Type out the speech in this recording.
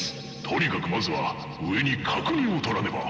とにかくまずは上に確認をとらねば。